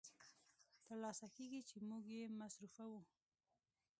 تر لاسه کېږي چې موږ یې مصرفوو